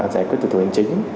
giải quyết từ từ ảnh chính